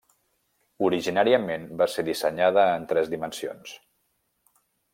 Originàriament va ser dissenyada en tres dimensions.